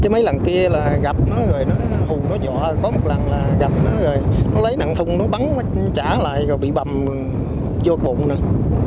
mấy lần kia là gặp nó rồi nó hù nó dọa có một lần là gặp nó rồi nó lấy nặng thùng nó bắn nó trả lại rồi bị bầm vô bụng nữa